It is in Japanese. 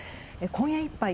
今夜いっぱい